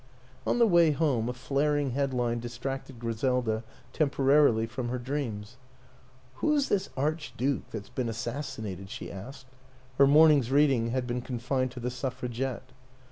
On the way home a flaring headline distracted Griselda temporarily from her dreams. ;' Who's this Archduke that's been assassinated?" she asked. (Her morning's reading had been con fined to The Suffragette.)